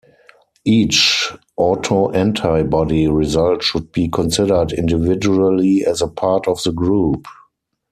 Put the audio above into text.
Each autoantibody result should be considered individually and as part of the group.